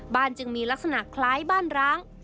จึงมีลักษณะคล้ายบ้านร้าง